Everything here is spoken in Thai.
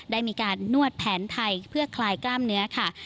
ได้มีการนวดแผนไทยเพื่อคลายกล้ามเนื้อค่ะ